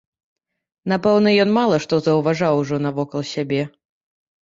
Напэўна, ён мала што заўважаў ужо навокал сябе.